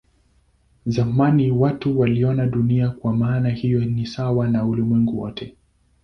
Zamani watu waliona Dunia kwa maana hiyo ni sawa na ulimwengu wote.